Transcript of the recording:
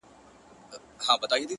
پردى خر په ملا زوره ور دئ.